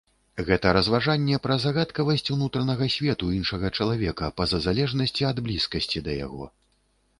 Гэта разважанне пра загадкавасць унутранага свету іншага чалавека, па-за залежнасці ад блізкасці да яго.